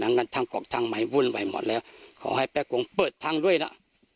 งั้นทางกรอกทางใหม่วุ่นวายหมดแล้วขอให้แป๊กกงเปิดทางด้วยนะ